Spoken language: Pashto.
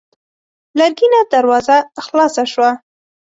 لرګينه دروازه خلاصه شوه.